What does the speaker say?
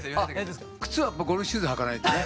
靴はゴルフシューズ履かないとね。